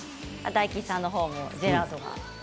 大吉さんの方もジェラートが。